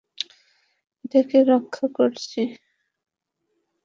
এটাকে রক্ষা করছি!